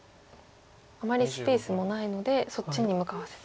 あまりスペースもないのでそっちに向かわせて。